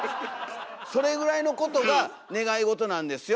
それぐらいのことが願いごとなんですよ。